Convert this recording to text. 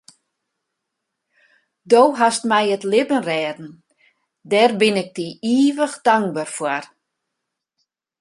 Do hast my it libben rêden, dêr bin ik dy ivich tankber foar.